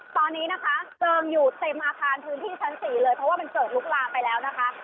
ตอนนี้นะคะเพลิงอยู่เต็มอาคารพื้นที่ชั้น๔เลยเพราะว่ามันเกิดลุกลามไปแล้วนะคะ